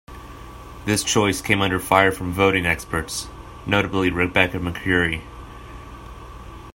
This choice came under fire from voting experts, notably Rebecca Mercuri.